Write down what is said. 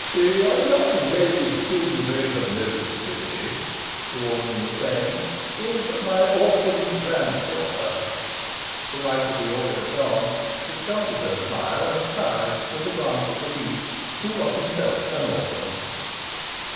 "The young lady whom you may have noticed with me," the Warden was saying, "is my orphaned grand daughter." (The wife of the Oriel don discarded her smile, and sighed, with a glance at the Duke, who was himself an orphan.)